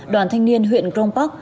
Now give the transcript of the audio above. đoàn thanh niên huyện crong park